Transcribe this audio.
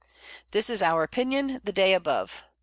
This is our Opinion the Day above.